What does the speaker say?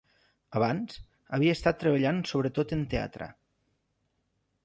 Abans, havia estat treballant sobretot en teatre.